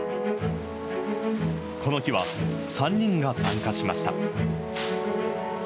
この日は、３人が参加しました。